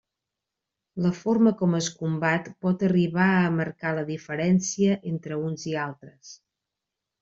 La forma com es combat pot arribar a marcar la diferència entre uns i altres.